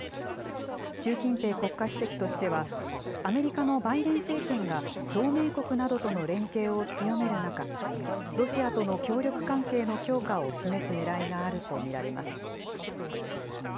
習近平国家主席としては、アメリカのバイデン政権が同盟国などとの連携を強める中、ロシアとの協力関係の強化を示すねらいがあると見られます。